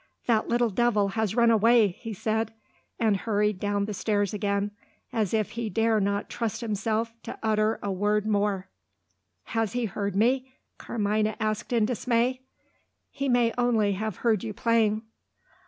"That little devil has run away!" he said and hurried down the stairs again, as if he dare not trust himself to utter a word more. "Has he heard me?" Carmina asked in dismay. "He may only have heard you playing."